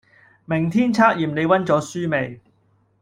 明天測驗你溫咗書未